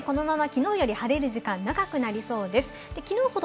そうですね、このまま昨日より晴れる時間、長くなりそうです。